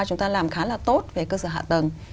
chúng ta làm khá là tốt về cơ sở hạ tầng